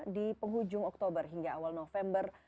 di penghujung oktober hingga awal november